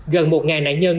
gần một nạn nhân